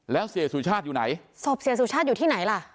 แล้วเสียสุชาติอยู่ไหนศพเสียสุชาติอยู่ที่ไหนล่ะ